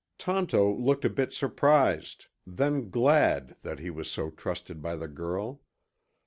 Tonto looked a bit surprised, then glad that he was so trusted by the girl.